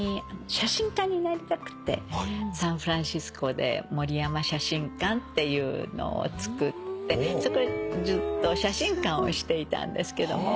写真家になりたくてサンフランシスコでモリヤマ写真館っていうのをつくってそこでずっと写真館をしていたんですけども。